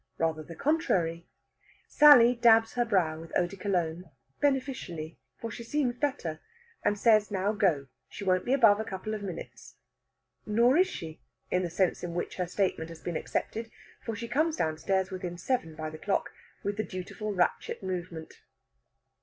Rather the contrary. Sally dabs her brow with eau de Cologne, beneficially, for she seems better, and says now go; she won't be above a couple of minutes. Nor is she, in the sense in which her statement has been accepted, for she comes downstairs within seven by the clock with the dutiful ratchet movement.